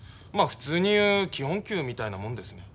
まあ普通に言う基本給みたいなもんですね。